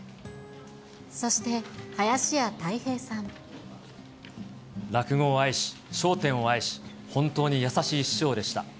そして、落語を愛し、笑点を愛し、本当に優しい師匠でした。